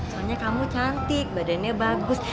soalnya kamu cantik badannya bagus